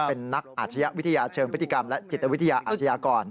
เป็นนักอาชญาวิทยาเชิงพฤติกรรมและจิตวิทยาอาชญากร